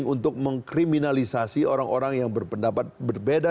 untuk mengkriminalisasi orang orang yang berpendapat berbeda